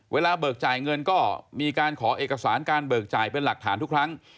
เบิกจ่ายเงินก็มีการขอเอกสารการเบิกจ่ายเป็นหลักฐานทุกครั้ง